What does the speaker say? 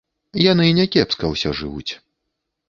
Яны някепска ўсе жывуць.